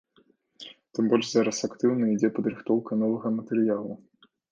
Тым больш зараз актыўна ідзе падрыхтоўка новага матэрыялу.